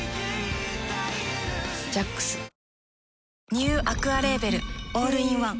ニューアクアレーベルオールインワン